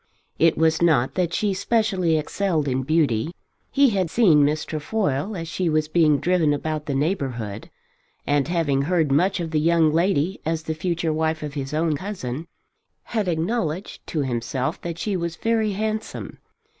It was not that she specially excelled in beauty. He had seen Miss Trefoil as she was being driven about the neighbourhood, and having heard much of the young lady as the future wife of his own cousin, had acknowledged to himself that she was very handsome.